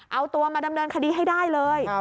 เอาตัวมาดำเนินคดีให้ได้เลย